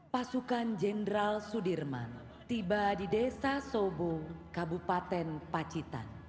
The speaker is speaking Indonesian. pasukan jenderal sudirman tiba di desa sobo kabupaten pacitan